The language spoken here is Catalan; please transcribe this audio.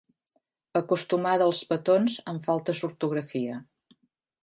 Acostumada als petons amb faltes d'ortografia.